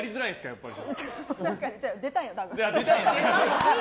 やっぱり。